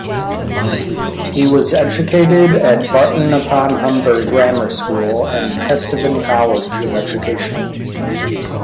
He was educated at Barton-upon-Humber Grammar School and Kesteven College of Education.